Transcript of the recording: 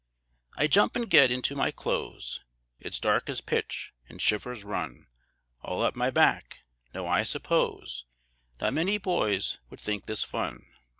I jump an' get into my clothes; It's dark as pitch, an' shivers run All up my back. Now, I suppose Not many boys would think this fun.